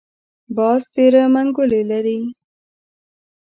باز تېره منګولې لري